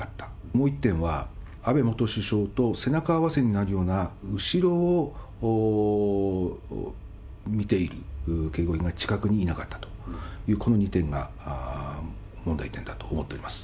もう１点は、安倍元首相と背中合わせになるような、後ろを見ている警護員が近くにいなかったと、この２点が問題点だと思っております。